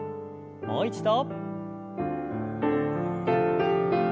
もう一度。